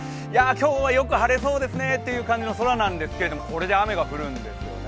今日はよく晴れそうですねという感じの空なんですけどこれで雨が降るんですよね。